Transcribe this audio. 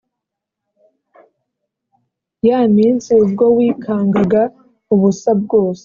ya minsi Ubwo wikangaga ubusa bwose